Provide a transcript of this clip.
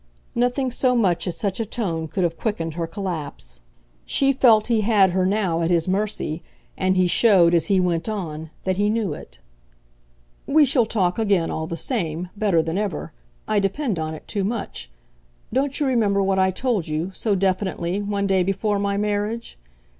Nothing so much as such a tone could have quickened her collapse; she felt he had her now at his mercy, and he showed, as he went on, that he knew it. "We shall talk again, all the same, better than ever I depend on it too much. Don't you remember what I told you, so definitely, one day before my marriage?